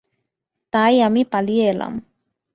তাই, আমি পালিয়ে এলাম।